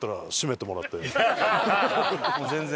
もう全然。